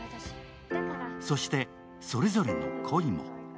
そして、それぞれの恋も。